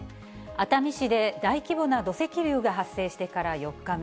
熱海市で大規模な土石流が発生してから４日目。